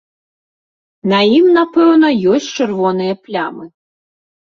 На ім напэўна ёсць чырвоныя плямы.